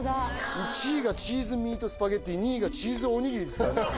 １位がチーズミートスパゲッティ２位がチーズおにぎりですからね